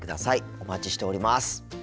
お待ちしております。